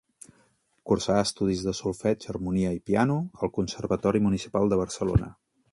Cursà estudis de solfeig, harmonia, i piano al Conservatori Municipal de Barcelona.